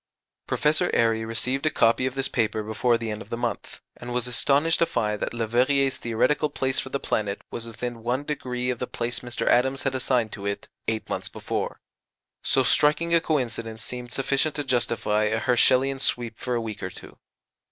Professor Airy received a copy of this paper before the end of the month, and was astonished to find that Leverrier's theoretical place for the planet was within 1° of the place Mr. Adams had assigned to it eight months before. So striking a coincidence seemed sufficient to justify a Herschelian "sweep" for a week or two.